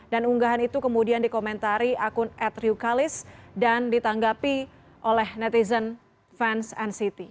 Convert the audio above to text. dan unggahan itu kemudian dikomentari akun at ryukalis dan ditanggapi oleh netizen fans nct